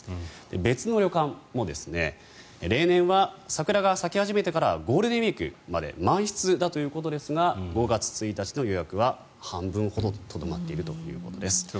別の旅館も例年は桜が咲き始めてからゴールデンウィークまで満室だということですが５月１日の予約は半分ほどにとどまっているということです。